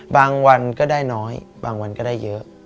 วันก็ได้น้อยบางวันก็ได้เยอะ